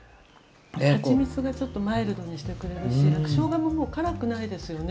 はちみつがちょっとマイルドにしてくれるししょうがももう辛くないですよね。